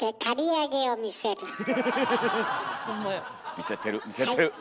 見せてる見せてる。